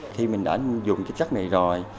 khi mình đã dùng cái chất này rồi